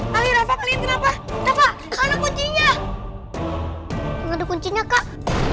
kali kali kenapa kenapa kuncinya ada kuncinya kak